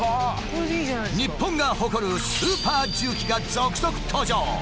日本が誇るスーパー重機が続々登場！